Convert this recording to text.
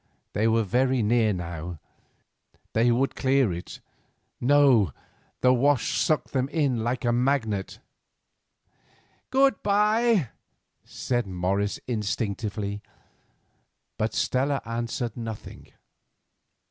They were very near now. They would clear it; no, the wash sucked them in like a magnet. "Good bye," said Morris instinctively, but Stella answered nothing.